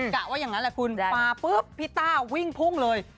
กะว่าอย่างนั้นแหละคุณมาปุ๊บพี่ต้าวิ่งพุ่งเลย